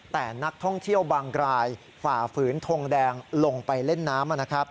แต่นักท่องเที่ยวบางรายฝ่าฝืนทงแดงลงไปเล่นน้ำ